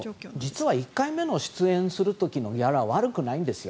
実は１回目の出演する時のギャラは悪くないんですよ。